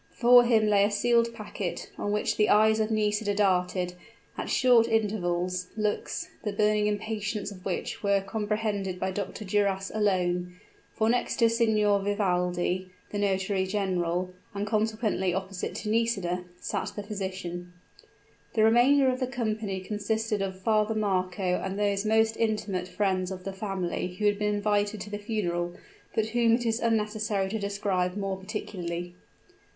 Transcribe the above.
Before him lay a sealed packet, on which the eyes of Nisida darted, at short intervals, looks, the burning impatience of which were comprehended by Dr. Duras alone; for next to Signor Vivaldi, the notary general and consequently opposite to Nisida sat the physician. The remainder of the company consisted of Father Marco and those most intimate friends of the family who had been invited to the funeral; but whom it is unnecessary to describe more particularly.